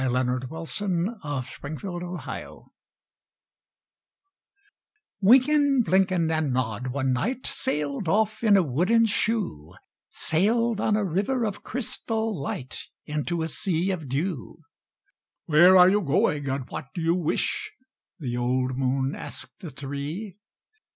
DREAM LAND WYNKEN, BLYNKEN, AND NOD Wynken, Blynken, and Nod one night Sailed off in a wooden shoe Sailed on a river of crystal light, Into a sea of dew. "Where are you going, and what do you wish?" The old moon asked the three.